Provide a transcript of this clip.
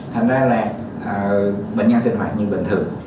thành ra là bệnh nhân sinh hoạt như bình thường